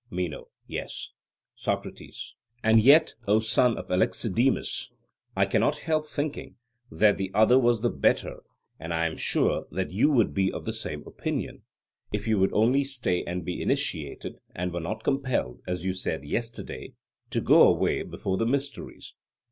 MENO: Yes. SOCRATES: And yet, O son of Alexidemus, I cannot help thinking that the other was the better; and I am sure that you would be of the same opinion, if you would only stay and be initiated, and were not compelled, as you said yesterday, to go away before the mysteries.